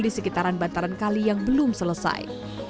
di sekitaran bantaran kali yang belum selesai